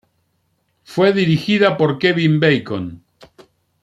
Fue dirigida por Kevin Bacon.